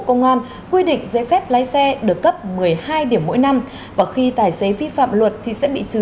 công an quy định giấy phép lái xe được cấp một mươi hai điểm mỗi năm và khi tài xế vi phạm luật thì sẽ bị trừ